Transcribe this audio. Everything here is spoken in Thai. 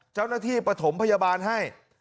เจ้าหน้าที่ประถมพยาบาลให้